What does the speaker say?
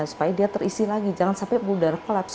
supaya dia terisi lagi jangan sampai udara kolaps